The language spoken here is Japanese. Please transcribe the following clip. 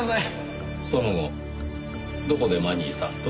その後どこでマニーさんと？